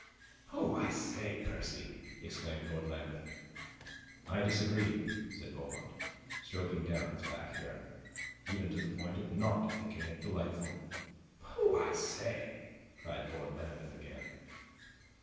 "Oh, I say, Percy!" exclaimed Lord Lambeth. "I disagree," said Beaumont, stroking down his back hair, "even to the point of not thinking it delightful." "Oh, I say!" cried Lord Lambeth again.